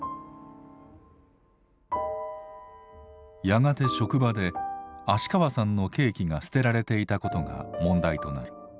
やがて職場で芦川さんのケーキが捨てられていたことが問題となる。